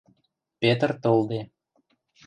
Петр толде.